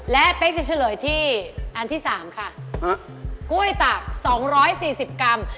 และเป๊กจะเฉลยที่อันที่สามค่ะกล้วยตากสองร้อยสี่สิบกรัม